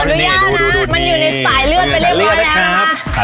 อนุญาตนะมันอยู่ในสายเลือดไปเรียบร้อยแล้วนะคะ